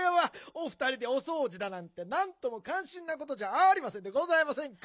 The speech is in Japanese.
おふたりでおそうじだなんてなんともかんしんなことじゃありませんでございませんか！